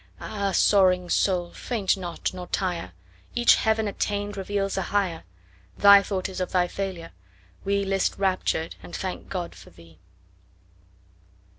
Ah, soaring soul! faint not nor tire! Each heaven attained reveals a higher. Thy thought is of thy failure; weList raptured, and thank God for thee.